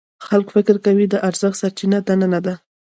خلک فکر کوي د ارزښت سرچینه دننه ده.